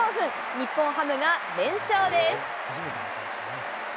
日本ハムが連勝です。